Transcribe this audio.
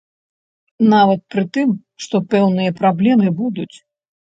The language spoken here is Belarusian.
Нават пры тым, што пэўныя праблемы будуць.